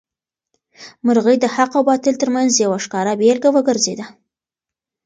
مرغۍ د حق او باطل تر منځ یو ښکاره بېلګه وګرځېده.